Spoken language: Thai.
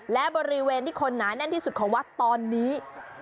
และบริเวณที่คนหนาแน่นที่สุดของวัดตอนนี้